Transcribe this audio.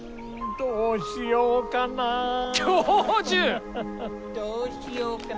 どうしようかな。